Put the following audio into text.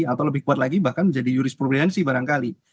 atau lebih kuat lagi bahkan menjadi jurisprudensi barangkali